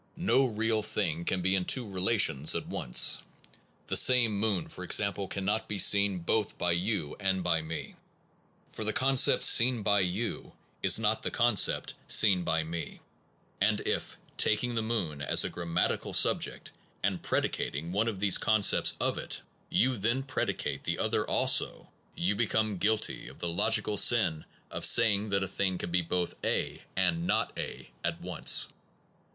No real thing can be in two rela tions at once; the same moon, for example, can not be seen both by you and by me. For the concept seen by you is not the concept seen by me ; and if, taking the moon as a gram matical subject and, predicating one of these concepts of it, you then predicate the other also, you become guilty of the logical sin of saying that a thing can both be A and not A at once.